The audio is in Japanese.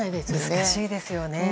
難しいですよね。